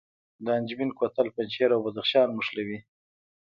د انجمین کوتل پنجشیر او بدخشان نښلوي